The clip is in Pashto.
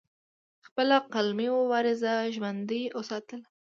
خپله قلمي مبارزه ژوندۍ اوساتله